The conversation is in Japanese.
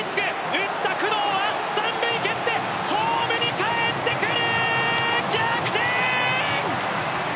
打った工藤は三塁蹴って、ホームに帰ってくる！